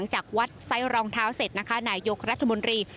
จากวัดไซส์รองเท้าเสร็จนะคะนายยกรัฐมนตรี